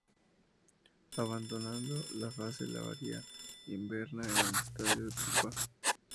Abandonando la fase larvaria, inverna en el estadio de pupa.